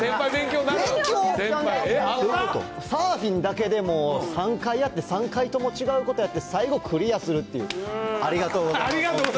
サーフィンだけでも、３回やって、３回とも違うことやって、最後クリアするっていう、ありがとうございます。